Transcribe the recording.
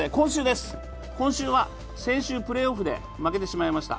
今週は、先週プレーオフで負けてしまいました